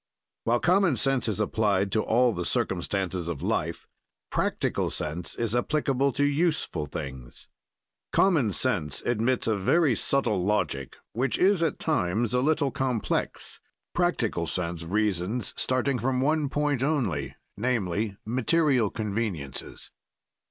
While common sense is applied to all the circumstances of life, practical sense is applicable to useful things. Common sense admits a very subtle logic which is, at times, a little complex. Practical sense reasons, starting from one point only; viz., material conveniences.